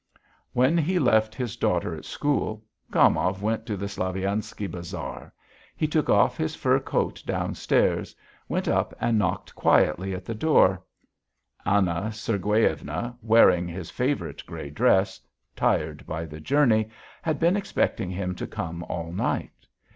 When he had left his daughter at school, Gomov went to the "Slaviansky Bazaar." He took off his fur coat down stairs, went up and knocked quietly at the door. Anna Sergueyevna, wearing his favourite grey dress, tired by the journey, had been expecting him to come all night.